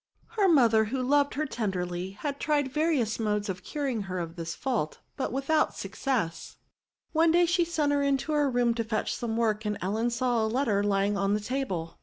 Her mother, who loved her ten derly, had tried various modes of curing her of this fault, but without success. One day she sent her into her room to fetch some work, and Ellen saw a letter lying on the table.